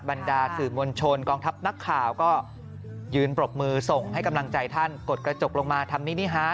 บรรดาสื่อมวลชนกองทัพนักข่าวก็ยืนปรบมือส่งให้กำลังใจท่านกดกระจกลงมาทำมินิฮะ